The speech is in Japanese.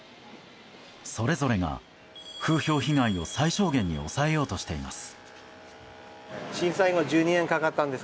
それぞれが風評被害を最小限に抑えようとしています。